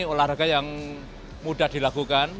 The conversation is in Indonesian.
olahraga yang mudah dilakukan